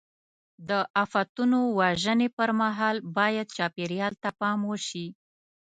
د آفتونو وژنې پر مهال باید چاپېریال ته پام وشي.